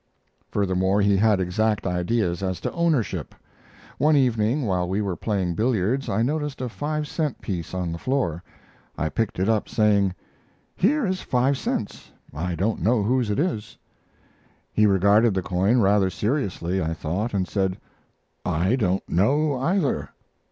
Furthermore, he had exact ideas as to ownership. One evening, while we were playing billiards, I noticed a five cent piece on the floor. I picked it up, saying: "Here is five cents; I don't know whose it is." He regarded the coin rather seriously, I thought, and said: "I don't know, either."